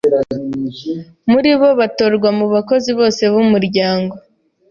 muri bo batorwa mu bakozi bose b’umuryango